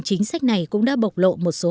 chính sách này cũng đã bộc lộ một số